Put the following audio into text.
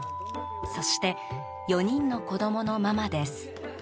そして、４人の子供のママです。